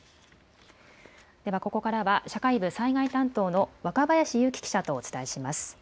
ではここからは社会部災害担当の若林勇希記者とお伝えします。